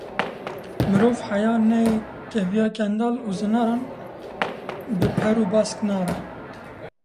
Mirov heya neyê keviya kendal û zinaran, bi per û bask nabe.